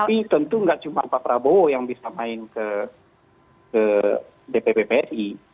itu enggak cuma pak prabowo yang bisa main ke dpp psi